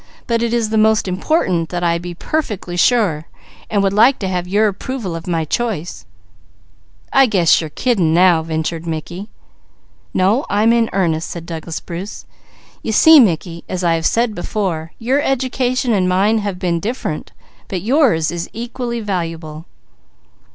"But it is most important that I be perfectly sure, so I should like to have your approval of my choice." "I guess you're kidding now," ventured Mickey. "No, I'm in earnest," said Douglas Bruce. "You see Mickey, as I have said before, your education and mine have been different, but yours is equally valuable."